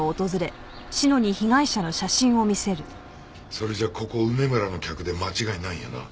それじゃここ梅むらの客で間違いないんやな？